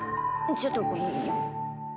ちょっとごめんよ。